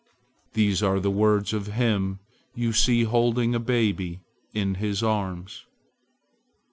These are the words of him you see holding a baby in his arms."